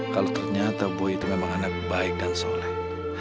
kalau ternyata buah itu memang anak baik dan soleh